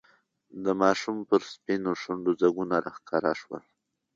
د ماشوم پر سپینو شونډو ځگونه راښکاره شول.